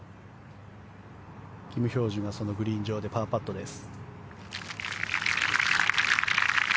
キム・ヒョージュがそのグリーン上でパーパットです。